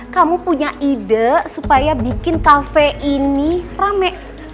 kamu punya ide supaya bikin kafe ini rame